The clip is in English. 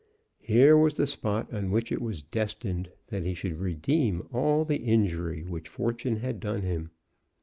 Here was the spot on which it was destined that he should redeem all the injury which fortune had done him.